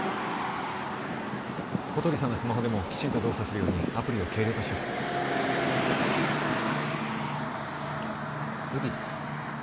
小鳥さんのスマホでもきちんと動作するようにアプリを軽量化しよう無理です